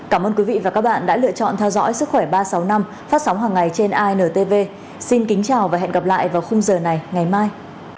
cảm ơn các bạn đã theo dõi và hẹn gặp lại